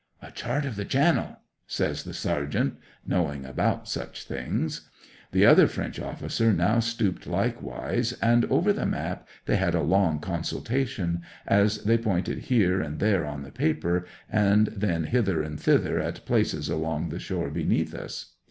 '"A chart of the Channel," says the sergeant (knowing about such things). 'The other French officer now stooped likewise, and over the map they had a long consultation, as they pointed here and there on the paper, and then hither and thither at places along the shore beneath us.